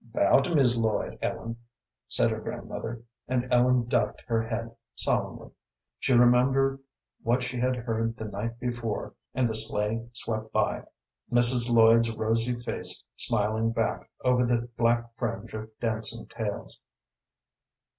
"Bow to Mis' Lloyd, Ellen," said her grandmother; and Ellen ducked her head solemnly. She remembered what she had heard the night before, and the sleigh swept by, Mrs. Lloyd's rosy face smiling back over the black fringe of dancing tails.